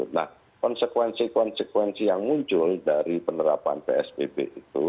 nah konsekuensi konsekuensi yang muncul dari penerapan psbb itu